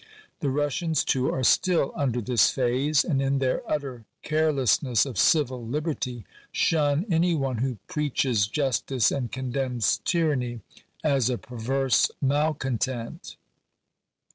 The Rus sians, too, are still under this phase ; and, in their utter care lessness of civil liberty, shun any one who preaches justice and condemns tyranny, as a perverse malcontent.